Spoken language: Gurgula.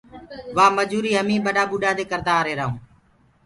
وآ مجوٚريٚ همي ٻڏآ ٻوڏآ دي ڪردآ آريهرآ هونٚ۔